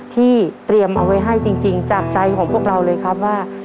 ที่เตรียมเอาไว้ให้จริงจากใจของพวกเราเลยครับว่า